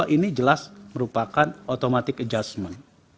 ini jelas merupakan automatic adjustment